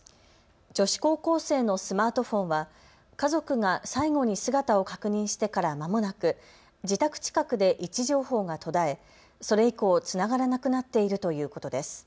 女子高校生のスマートフォンは家族が最後に姿を確認してからまもなく自宅近くで位置情報が途絶え、それ以降、つながらなくなっているということです。